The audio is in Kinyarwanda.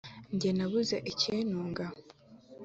jyewe nabuze ikintunga